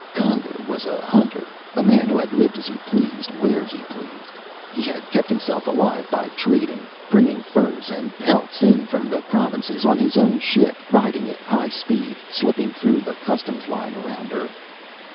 Conger was a hunter, a man who had lived as he pleased, where he pleased. He had kept himself alive by trading, bringing furs and pelts in from the Provinces on his own ship, riding at high speed, slipping through the customs line around Earth.